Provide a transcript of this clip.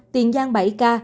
tiền giang bảy ca